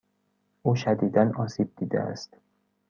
او شدیدا آسیب دیده است.